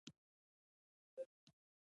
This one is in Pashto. رساله کوچنۍ ده خو ګټور معلومات لري.